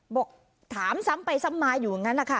บอกถามซ้ำไปซ้ำมาอยู่อย่างนั้นนะคะ